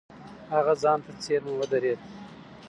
هغه ځان ته څېرمه ودرېد.